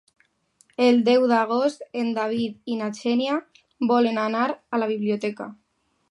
El deu d'agost en David i na Xènia volen anar a la biblioteca.